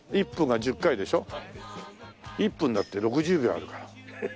１分だって６０秒あるから。